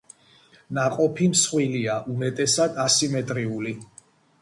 ნაყოფი მსხვილია, უმეტესად ასიმეტრიული.